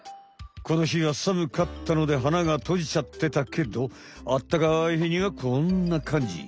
このひはさむかったので花がとじちゃってたけどあったかいひにはこんなかんじ。